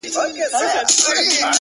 باد را الوتی، له شبِ ستان دی،